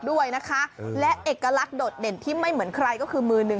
ด้วยนะคะและเอกลักษณ์โดดเด่นที่ไม่เหมือนใครก็คือมือหนึ่ง